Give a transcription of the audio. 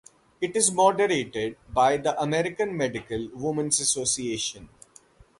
It is moderated by the American Medical Women’s Association.